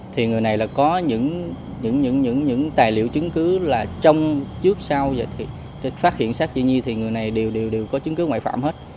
thì người này là có những tài liệu chứng cứ là trong trước sau thì phát hiện sát chị nhi thì người này đều có chứng cứ ngoại phạm hết